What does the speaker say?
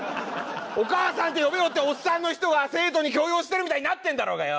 お母さんって呼べよっておっさんの人が生徒に強要してるみたいになってんだろうがよ！